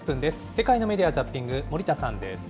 世界のメディア・ザッピング、森田さんです。